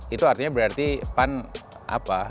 itu artinya berarti pan apa